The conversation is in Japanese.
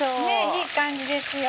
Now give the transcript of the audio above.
いい感じですよ